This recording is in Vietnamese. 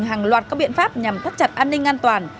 hàng loạt các biện pháp nhằm thắt chặt an ninh an toàn